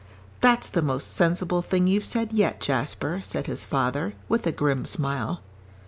"That's the most sensible thing you've said yet, Jasper," said his father, with a grim smile.